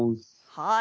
はい。